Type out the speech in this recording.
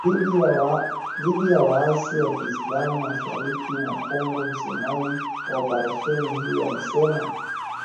dhidi ya waasi wa kiislamu mashariki mwa Kongo msemaji wa operesheni hiyo alisema